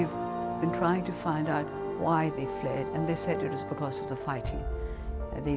dan kami mencoba untuk mengetahui kenapa mereka meninggalkannya